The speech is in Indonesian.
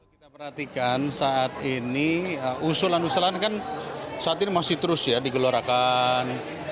kita perhatikan saat ini usulan usulan kan saat ini masih terus ya digelorakan